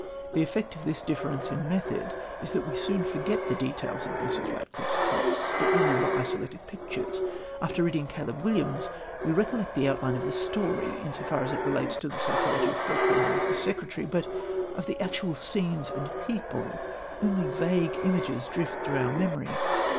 The effect of this difference in method is that we soon forget the details of Mrs. Radcliffe's plots, but remember isolated pictures. After reading Caleb Williams we recollect the outline of the story in so far as it relates to the psychology of Falkland and his secretary; but of the actual scenes and people only vague images drift through our memory.